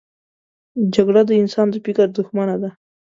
جګړه د انسان د فکر دښمنه ده